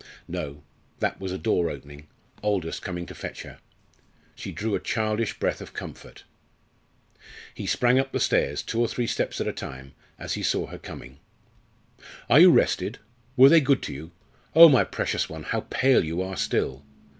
No! that was a door opening Aldous coming to fetch her. She drew a childish breath of comfort. He sprang up the stairs, two or three steps at a time, as he saw her coming. "Are you rested were they good to you? Oh! my precious one! how pale you are still!